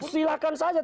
silahkan membuat acara